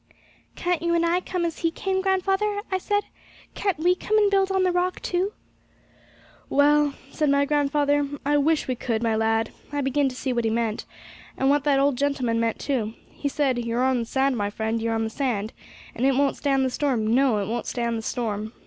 'Can't you and I come as he came, grandfather?' I said. 'Can't we come and build on the Rock, too?' 'Well,' said my grandfather, 'I wish we could, my lad. I begin to see what he meant, and what the old gentleman meant too. He said, "You're on the sand, my friend; you're on the sand, and it won't stand the storm; no, it won't stand the storm!"